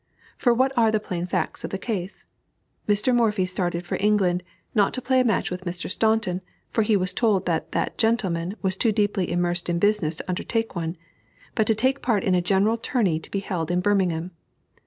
For what are the plain facts of the case? Mr. Morphy started for England, not to play a match with Mr. Staunton, for he was told that that gentleman was too deeply immersed in business to undertake one, but to take part in a general tourney to be held in Birmingham.